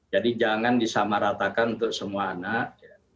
jadi jangan disamaratakan untuk semua anak